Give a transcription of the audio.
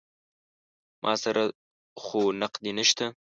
ما سره خو نقدې نه شته.